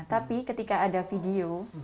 tapi ketika ada video